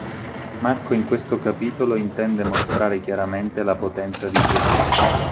Marco in questo capitolo intende mostrare chiaramente la potenza di Gesù.